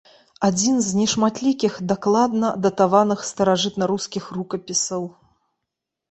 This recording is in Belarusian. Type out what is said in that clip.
Адзін з нешматлікіх дакладна датаваных старажытнарускіх рукапісаў.